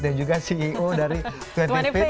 dan juga ceo dari dua puluh feet